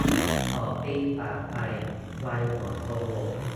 สองปีผ่านไป ไวเหมือนโกหก